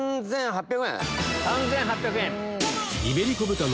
３８００円。